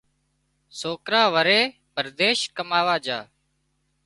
سوڪران وري پرديس ڪماوا جھا